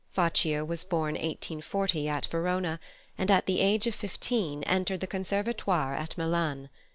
Faccio was born 1840, at Verona, and at the age of fifteen entered the Conservatoire at Milan.